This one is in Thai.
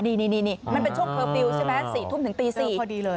นี่มันเป็นช่วงเคอร์ฟิลใช่ไหม๔ทุ่มถึงตี๔